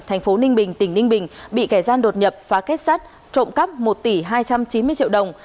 thành phố ninh bình tỉnh ninh bình bị kẻ gian đột nhập phá kết sắt trộm cắp một tỷ hai trăm chín mươi triệu đồng